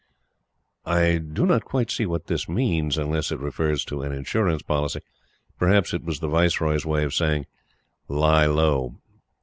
I do not quite see what this means, unless it refers to an Insurance Policy. Perhaps it was the Viceroy's way of saying: "Lie low."